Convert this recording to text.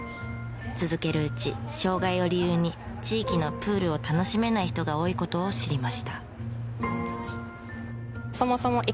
続けるうち障害を理由に地域のプールを楽しめない人が多い事を知りました。